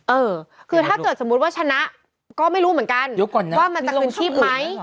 เออคือถ้าเกิดสมมุติว่าชนะก็ไม่รู้เหมือนกันนะว่ามันจะลงชีพไหม